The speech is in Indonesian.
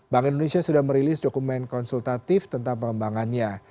bank indonesia sudah merilis dokumen konsultatif tentang pengembangannya